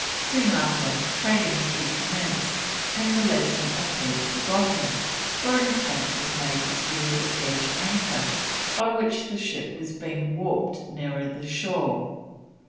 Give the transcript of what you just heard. Soon after trading recommenced, and the lesson appeared forgotten, for an attempt was made to steal the kedge anchor by which the ship was being warped nearer the shore.